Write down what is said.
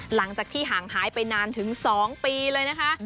หลังจากที่ห่างหายไปนานถึง๒ปีเลยนะคะ